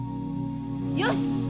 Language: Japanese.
よし！